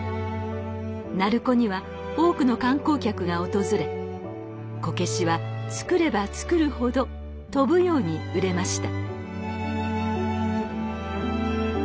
鳴子には多くの観光客が訪れこけしは作れば作るほど飛ぶように売れました。